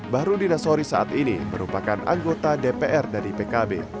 bahru dinasori saat ini merupakan anggota dpr dan ipkb